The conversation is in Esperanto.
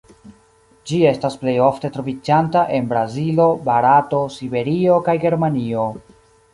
Ĝi estas plej ofte troviĝanta en Brazilo, Barato, Siberio, kaj Germanio.